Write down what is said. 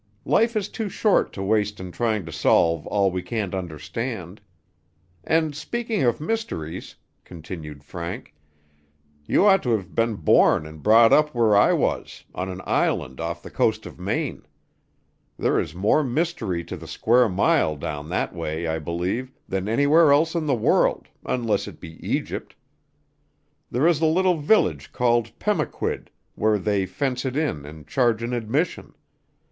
Life is too short to waste in trying to solve all we can't understand. And speaking of mysteries," continued Frank, "you ought to have been born and brought up where I was, on an island off the coast of Maine. There is more mystery to the square mile down that way, I believe, than anywhere else in the world, unless it be Egypt. There is a little village called Pemaquid, where they fence it in and charge an admission.